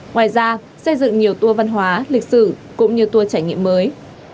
ngoài ra xây dựng nhiều tour văn hóa lịch sử cũng như tour trải nghiệm mới